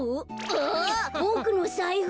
あボクのさいふ。